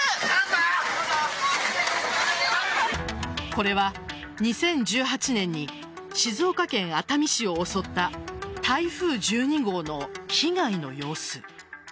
これは２０１８年に静岡県熱海市を襲った台風１２号の被害の様子。